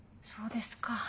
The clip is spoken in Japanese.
そうですか。